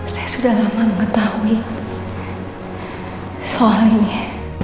saya sudah lama mengetahui soalnya